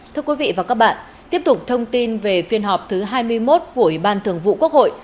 thưa quý vị và các bạn tiếp tục thông tin về phiên họp thứ hai mươi một của ủy ban thường vụ quốc hội